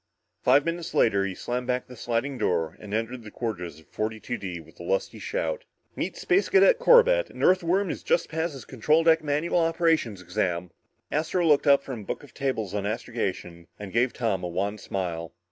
Five minutes later he slammed back the sliding door and entered the quarters of 42 D with a lusty shout. "Meet Space Cadet Corbett an Earthworm who's just passed his control deck manual operations exam!" Astro looked up from a book of tables on astrogation and gave Tom a wan smile.